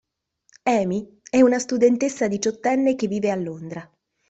Amy è una studentessa diciottenne che vive a Londra.